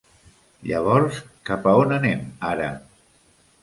Llavors, cap on anem ara?